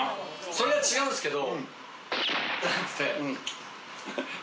それは違うんですけど。